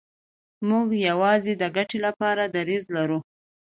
موږ یوازې د ګټې لپاره دریځ لرو.